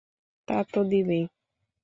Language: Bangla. তা তো দিবেই।